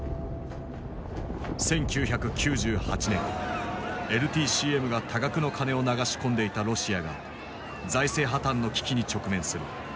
１９９８年ＬＴＣＭが多額の金を流し込んでいたロシアが財政破綻の危機に直面する。